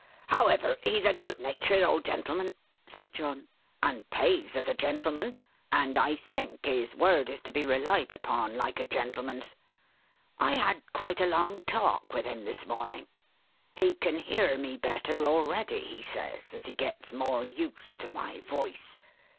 "However, he's a good natured old gentleman," said John, "and pays as a gentleman, and I think his word is to be relied upon, like a gentleman's. I had quite a long talk with him this morning: he can hear me better already, he says, as he gets more used to my voice.